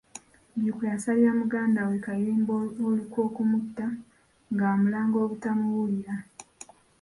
Jjuuko yasalira muganda we Kayemba olukwe okumutta, ng'amulanga obutamuwulira.